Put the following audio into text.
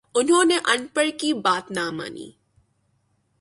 انہوں نے اَن پڑھ کی بات نہ مانی